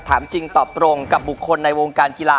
ถามจริงตอบตรงกับบุคคล